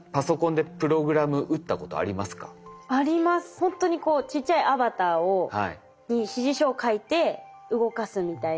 ほんとにこうちっちゃいアバターに指示書を書いて動かすみたいな。